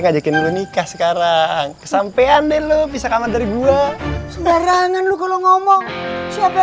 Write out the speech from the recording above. ngajakin nikah sekarang kesampean deh lu pisah kaman dari gua sebarangan lu kalau ngomong siapa